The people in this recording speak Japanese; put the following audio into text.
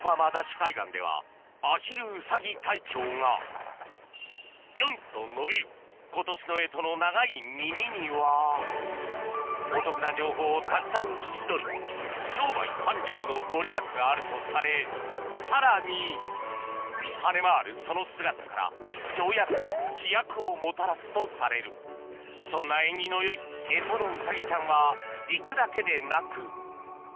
海岸ではアヒルウサギ隊長がピョンと伸びる今年の干支の長い耳にはお得な情報をたくさん聞き取り商売繁盛の御利益があるとされさらに跳ね回るその姿から跳躍飛躍をもたらすとされるそんな縁起のよい干支のオ！